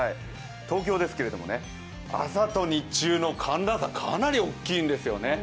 東京ですけれども、朝と日中の寒暖差、かなり大きいんですよね。